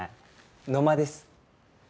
野間です。